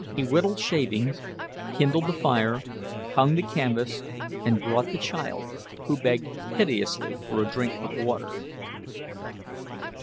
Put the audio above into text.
He whittled shavings, kindled the fire, hung the canvas and brought the child, who begged piteously for a drink of water.